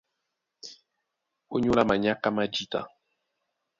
Ónyólá manyáká má jǐta,